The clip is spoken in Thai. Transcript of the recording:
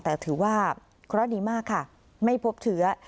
แต่ถือว่าคลอดนี้มากค่ะไม่พบเถือ